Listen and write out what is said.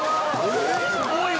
「すごいわ！」